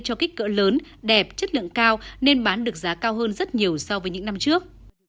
cỡ lớn đẹp chất lượng cao nên bán được giá cao hơn rất nhiều so với những năm trước